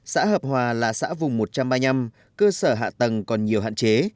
xã hợp hòa là xã vùng một trăm ba mươi năm cơ sở hạ tầng còn nhiều hạn chế